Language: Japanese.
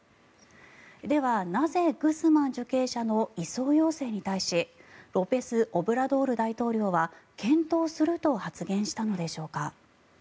では、なぜグスマン受刑者の移送要請に対しロペス・オブラドール大統領は検討すると発言したのでしょうか。